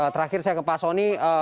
terakhir saya ke pak soni